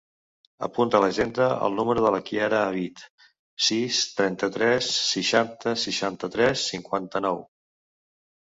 Apunta a l'agenda el número de la Chiara Abid: sis, trenta-tres, seixanta, seixanta-tres, cinquanta-nou.